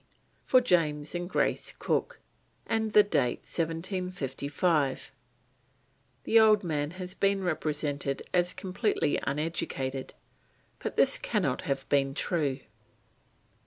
G.C., for James and Grace Cook, and the date 1755. The old man has been represented as completely uneducated, but this cannot have been true.